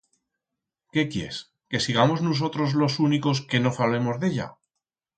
Qué quiers, que sigamos nusotros los únicos que no fablemos de ella?